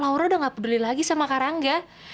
laura udah gak peduli lagi sama karangga